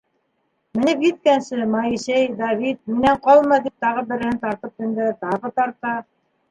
Менеп еткәне, Моисей, Давид, минән ҡалма, тип тағы береһен тартып мендерә, тағы тарта.